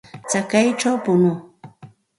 Chakayćhaw punuu.